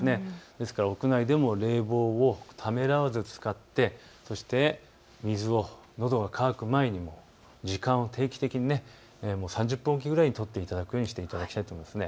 ですから屋内でも冷房をためらわず使ってそして水をのどが渇く前に時間を定期的に、３０分おきぐらいにとっていただきたいと思います。